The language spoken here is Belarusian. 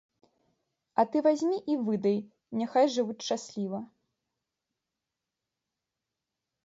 А ты вазьмі і выдай, няхай жывуць шчасліва.